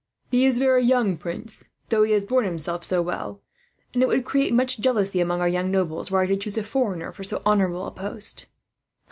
"He is very young, prince, though he has borne himself so well; and it would create much jealousy among our young nobles, were I to choose a foreigner for so honourable a post."